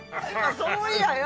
そういやよ